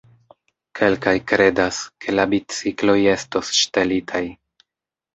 Kelkaj kredas, ke la bicikloj estos ŝtelitaj.